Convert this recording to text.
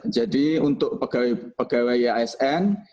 jadi untuk pegawai asn